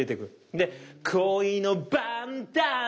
で「恋のバンダナ」。